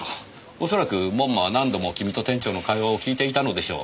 おそらく門馬は何度も君と店長の会話を聞いていたのでしょう。